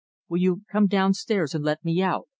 "Will you come downstairs and let me out?"